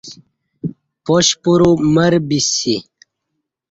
پاشپُرو مر بی سی